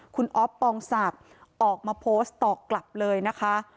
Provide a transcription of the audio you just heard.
คุณอ๊อฟปองศักดิ์ออกมาโพสต์ตอบกลับเลยนะคะ